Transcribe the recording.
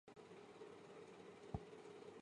姑且再交战使他们骄傲。